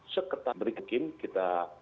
seketat berikin kita